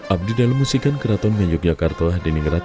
abdi dalam musikan keraton ngayok yakarta hadiningrat